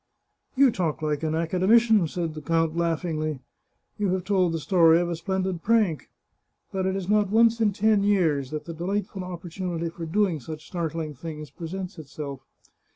" You talk like an academician !" cried the count laugh ingly. " You have told the story of a splendid prank. But it is not once in ten years that the delightful opportunity for doing such startling things presents itself.